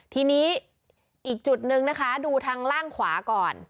ทีนี้อีกจุดนึงนะคะดูทางล่างขวาก่อน